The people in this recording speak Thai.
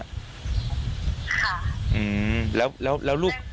ค่ะแล้วลูก